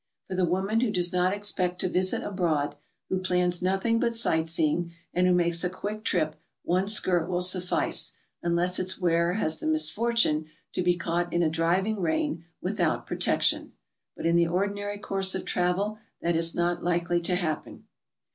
Eor the woman who does not expect to visit abroad, who plans nothing but sight seeing, and who makes a quick trip, one skirt will suffice, unless its wearer has the misfor tune to be caught in a driving rain without protection, but in the ordinary course o'f travel that is not likely to happen.